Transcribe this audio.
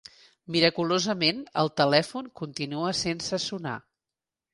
Miraculosament el telèfon continua sense sonar.